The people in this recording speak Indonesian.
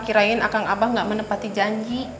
kirain akang abah gak menepati janji